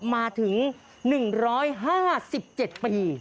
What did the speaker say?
มาถึง๑๕๗ปี